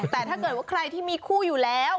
แต่ถ้าเกิดว่าใครที่มีคู่อยู่แล้ว